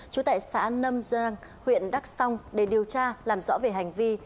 chú tại xã nâm giang huyện đắc song để điều tra làm rõ về hành vi